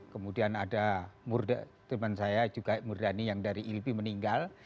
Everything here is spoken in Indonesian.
kemudian ada teman saya juga murdhani yang dari ilpi meninggal